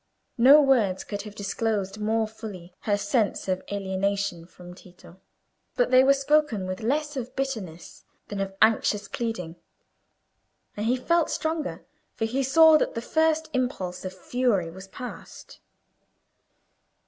No words could have disclosed more fully her sense of alienation from Tito; but they were spoken with less of bitterness than of anxious pleading. And he felt stronger, for he saw that the first impulse of fury was past.